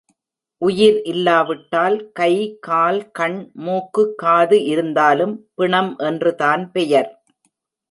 உயிர் இல்லாவிட்டால், கை, கால், கண், மூக்கு, காது இருந்தாலும் பிணம் என்றுதான் பெயர்.